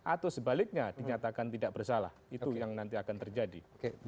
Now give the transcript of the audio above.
atau sebaliknya dinyatakan tidak bersalah itu yang nanti akan terjadi